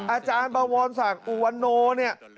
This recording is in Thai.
อาจารย์บวรศักดิ์อุวันโนเนี่ย